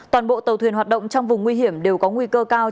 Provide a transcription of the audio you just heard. toàn bộ tàu thuyền hoạt động trong vùng nguy hiểm đều có nguy cơ cao